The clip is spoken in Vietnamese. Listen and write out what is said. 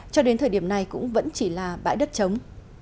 cho đến thời điểm này cũng vẫn chỉ là bãi đất chống